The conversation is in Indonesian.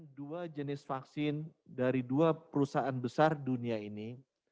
ada dua jenis vaksin dari dua perusahaan besar dunia ini